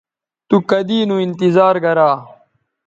تو کدی نو انتظار گرا